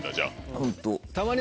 ホント。